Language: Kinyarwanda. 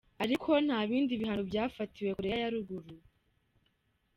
Ariko nta bindi bihano vyafatiwe Korea ya ruguru.